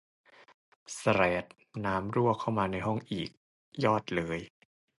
แสรด น้ำรั่วเข้ามาในห้องอีก ยอดเลย